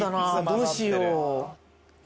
どうしよう。